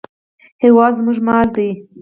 هېواد زموږ مال دی